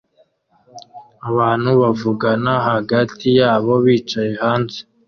Abantu bavugana hagati yabo bicaye hanze